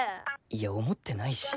いや思ってないし。